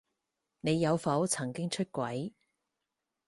你有否曾經出軌？